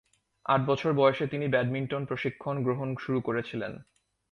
আট বছর বয়সে তিনি ব্যাডমিন্টন প্রশিক্ষণ গ্রহণ শুরু করেছিলেন।